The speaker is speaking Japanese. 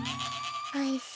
おいしい？